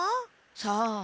さあ。